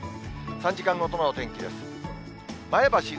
３時間ごとの天気です。